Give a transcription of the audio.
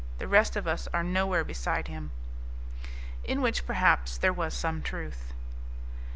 The rest of us are nowhere beside him." In which, perhaps, there was some truth.